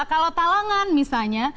kalau talangan misalnya